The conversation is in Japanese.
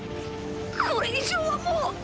これ以上はもう！！